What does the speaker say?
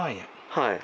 はい。